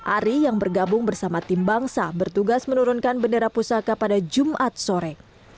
ari yang bergabung bersama tim bangsa bertugas menurunkan bendera pusaka pada jumat sore